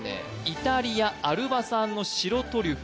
イタリアアルバ産の白トリュフ